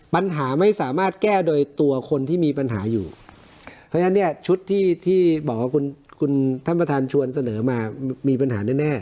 ปัญหาไม่สามารถแก้โดยตัวคนที่มีปัญหาอยู่เพราะฉะนั้นเนี่ยชุดที่ที่บอกว่าคุณคุณท่านประธานชวนเสนอมามีปัญหาแน่แน่